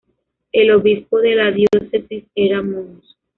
El obispo de la diócesis era Mons.